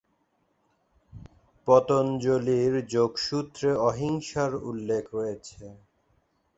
পতঞ্জলির যোগসূত্রে অহিংসার উল্লেখ রয়েছে।